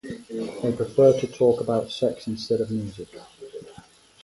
They prefer to talk about sex instead of music.